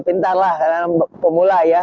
pintar lah pemula